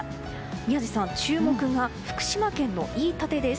宮司さん、注目が福島県の飯舘です。